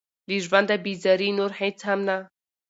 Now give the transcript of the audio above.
له ژونده بېزاري نور هېڅ هم نه.